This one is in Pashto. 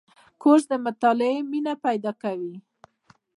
کورس د مطالعې مینه پیدا کوي.